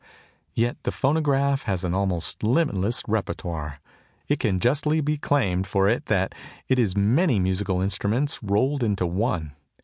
Yet the phonograph has an almost limitless répertoire. It can justly be claimed for it that it is many musical instruments rolled into one.